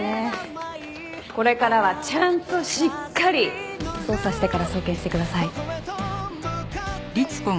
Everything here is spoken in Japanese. これからはちゃんとしっかり捜査してから送検してください。